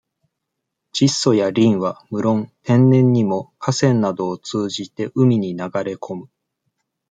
窒素や燐は、むろん、天然にも、河川などを通じて、海に流れこむ。